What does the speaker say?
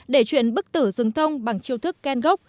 để chuyển bức tử rừng thông bằng chiêu thức khen gốc